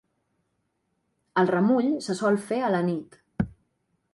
El remull se sol fer a la nit.